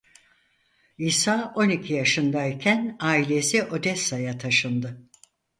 Isa on iki yaşındayken ailesi Odessa'ya taşındı.